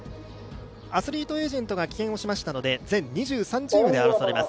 アスリートエージェントが棄権をしましたので全２３チームで争われます。